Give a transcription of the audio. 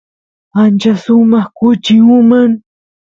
ancha sumaq kuchi uman